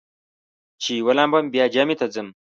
چې ولامبم بیا جمعې ته ځم.